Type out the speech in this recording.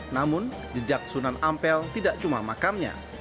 namun jejak sunan ampel tidak cuma makamnya